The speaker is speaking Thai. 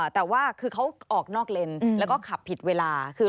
แต่ว่าคือเขาออกนอกเลนแล้วก็ขับผิดเวลา